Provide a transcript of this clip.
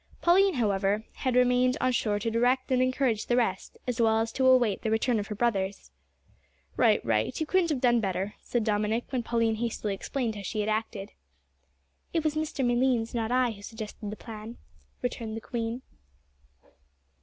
Pauline, however, had remained on shore to direct and encourage the rest, as well as to await the return of her brothers. "Right right you couldn't have done better," said Dominick, when Pauline hastily explained how she had acted. "It was Mr Malines, not I, who suggested the plan," returned the queen.